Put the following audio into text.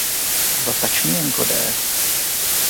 Rotační enkodér